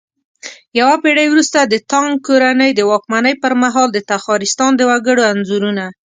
يوه پېړۍ وروسته د تانگ کورنۍ د واکمنۍ پرمهال د تخارستان د وگړو انځورونه